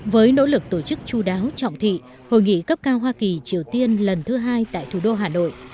với nỗ lực tổ chức chú đáo trọng thị hội nghị cấp cao hoa kỳ triều tiên lần thứ hai tại thủ đô hà nội